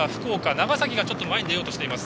長崎が前に出ようとしています。